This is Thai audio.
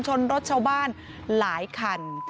ชนรถชาวบ้านหลายคัน